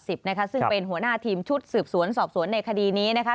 ซึ่งเป็นหัวหน้าทีมชุดสืบสวนสอบสวนในคดีนี้นะคะ